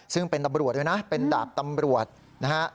ซึ่งเป็นตำรวจด้วยนะเป็นดาบตำรวจนะฮะ